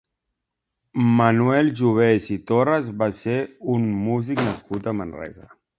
Manuel Jovés i Torras va ser un músic nascut a Manresa.